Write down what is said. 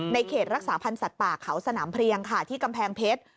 เขตรักษาพันธ์สัตว์ป่าเขาสนามเพลียงค่ะที่กำแพงเพชร